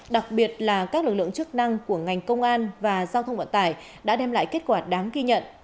đặc biệt là các lực lượng chức năng của ngành công an và giao thông vận tải đã đem lại kết quả đáng ghi nhận